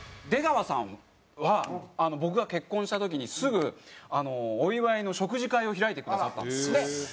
出川さんは僕が結婚した時にすぐお祝いの食事会を開いてくださったんです。